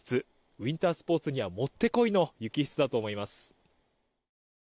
ウィンタースポーツにはもってこいの雪質だと思います。